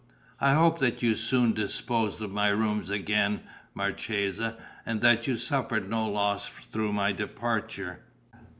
I hope that you soon disposed of my rooms again, marchesa, and that you suffered no loss through my departure?"